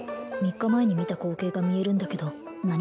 ３日前に見た光景が見えるんだけど何？